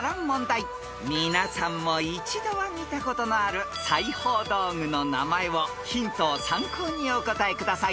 ［皆さんも一度は見たことのある裁縫道具の名前をヒントを参考にお答えください］